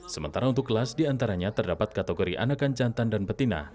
sementara untuk kelas diantaranya terdapat kategori anakan jantan dan betina